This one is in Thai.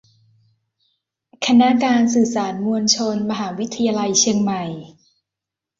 คณะการสื่อสารมวลชน มหาวิทยาลัยเชียงใหม่